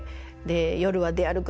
夜は出歩くな」。